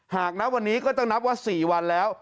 หากนับวันนี้ก็ต้องนับว่า๔วันแล้ว